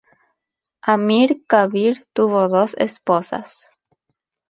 Amir Kabir tuvo dos esposas.